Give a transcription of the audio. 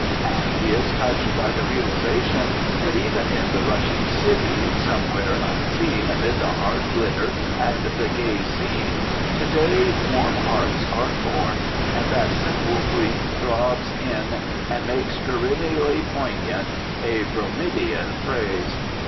And he is touched by the realisation that even in the rushing city, somewhere unseen amid the hard glitter and the gay scene, to day warm hearts are torn, and that simple grief throbs in and makes perennially poignant a bromidian phrase.